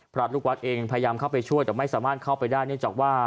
พระลูกวัดเองพยายามเข้าไปช่วยแต่ไม่สามารถเข้าไปได้เนื่องจากว่า